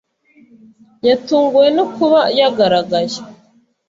Yatunguwe no kuba yagaragaye